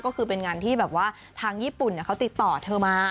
ก็คือเป็นงานที่แบบว่าทางญี่ปุ่นเขาติดต่อเธอมา